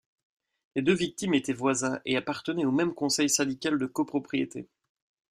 Les deux victimes étaient voisins et appartenaient au même conseil syndical de copropriété.